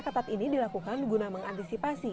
ketat ini dilakukan guna mengantisipasi